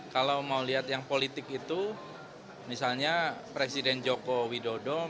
kalau mau lihat yang politik itu misalnya presiden joko widodo